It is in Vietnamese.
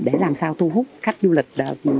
để làm sao thu hút khách du lịch